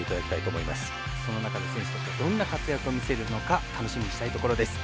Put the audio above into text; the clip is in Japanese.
その中で選手たちはどんな活躍を見せるのか楽しみにしたいところです。